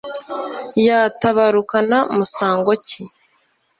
yatabarukana musango ki